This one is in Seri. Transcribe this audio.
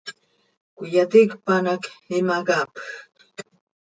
Cöiyaticpan hac imacapjc.